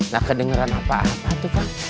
nah kedengeran apa apa tuh kang